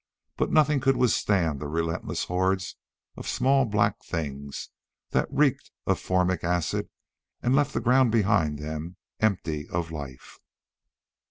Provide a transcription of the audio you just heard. But nothing could withstand the relentless hordes of small black things that reeked of formic acid and left the ground behind them empty of life.